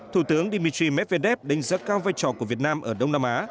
thủ tướng dmitry medvedev đánh giá cao vai trò của việt nam ở đông nam á